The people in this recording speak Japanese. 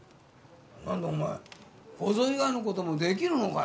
何だお前小僧以外のこともできるのかい